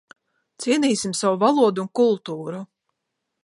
Cienīsim savu valodu un kultūru!